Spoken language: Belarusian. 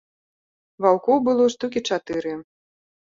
Ваўкоў было штукі чатыры.